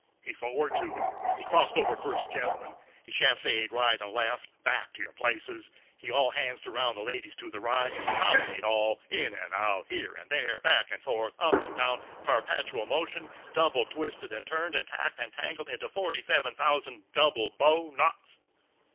He for'ard two'd, he crost over first gentleman, he chassade right and left, back to your places, he all hands'd aroun', ladies to the right, promenade all, in and out, here and there, back and forth, up and down, perpetual motion, double twisted and turned and tacked and tangled into forty eleven thousand double bow knots.